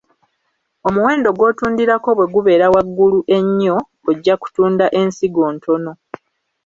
Omuwendo gw’otundirako bwe gubeera waggulu ennyo, ojja kutunda ensigo ntono.